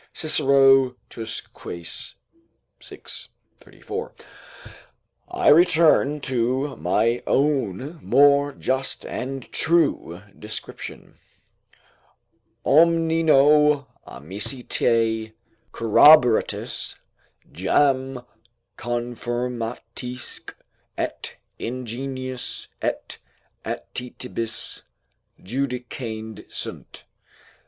Cicero, Tusc. Quaes., vi. 34.] I return to my own more just and true description: "Omnino amicitiae, corroboratis jam confirmatisque, et ingeniis, et aetatibus, judicandae sunt."